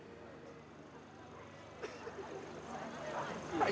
はい。